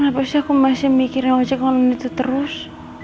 kenapa sih aku masih mikirin ojek ojekan itu terus